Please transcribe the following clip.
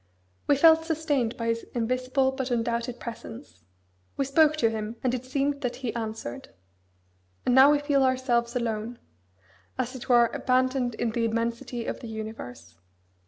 We felt sustained by His invisible but undoubted presence. We spoke to Him, and it seemed that He answered. And now we feel ourselves alone as it were abandoned in the immensity of the universe.